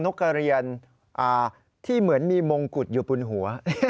กกระเรียนที่เหมือนมีมงกุฎอยู่บนหัว